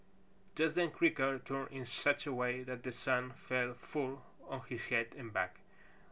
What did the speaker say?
Just then Creaker turned in such a way that the sun fell full on his head and back.